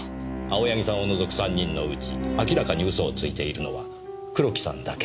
青柳さんを除く３人のうち明らかに嘘をついているのは黒木さんだけです。